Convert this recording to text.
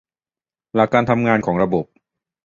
หลักการทำงานของระบบ